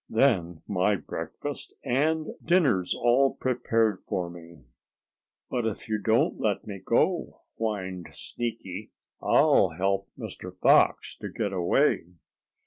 "Then my breakfast and dinner's all prepared for me." "But if you don't let me go," whined Sneaky, "I'll help Mr. Fox to get away."